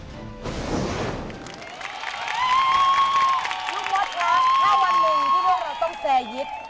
ลุงโมทคะถ้าวันนึงที่โลกเราต้องแซ่ยิด